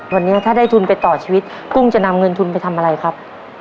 วันนี้ถ้าได้ทุนไปต่อชีวิตกุ้งจะนำเงินทุนไปทำอะไรครับ